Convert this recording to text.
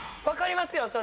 分かりますよ